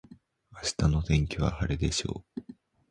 明日の天気は晴れでしょう。